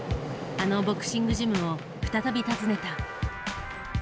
あのボクシングジムを再び訪ねた。